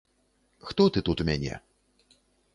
Хто ты тут у мяне?